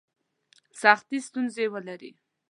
سختي ستونزي ولري.